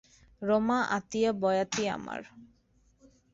রমা আতিয়া বয়াতি আমার।